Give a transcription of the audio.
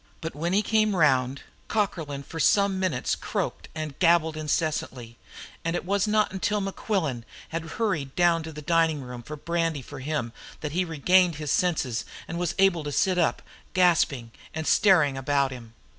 But when he came round, Cockerlyne for some minutes croaked and gabbled incessantly, and it was not until Mequillen had hurried down to the dining room for brandy for him that he regained his senses and was able to sit up, gasping and staring about him.